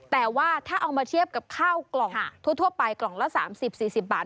แต่ว่าถ้าเอามาเทียบกับข้าวกล่องทั่วไปกล่องละ๓๐๔๐บาท